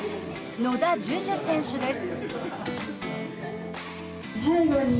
野田樹潤選手です。